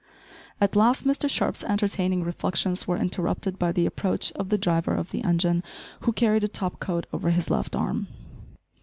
At last Mr Sharp's entertaining reflections were interrupted by the approach of the driver of the engine, who carried a top coat over his left arm.